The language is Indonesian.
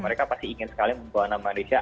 mereka pasti ingin sekali membawa nama malaysia